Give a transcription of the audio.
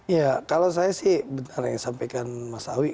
ya kalau saya sih benar yang sampaikan mas awi